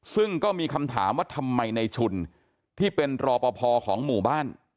ซึ่งก็มีคำถามว่าทำไมในชุนที่เป็นรอปภของหมู่บ้าน